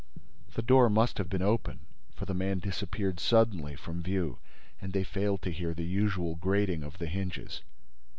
The door must have been open, for the man disappeared suddenly from view and they failed to hear the usual grating of the hinges.